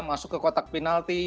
masuk ke kotak penalti